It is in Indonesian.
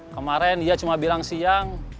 kemarin dia cuma bilang siang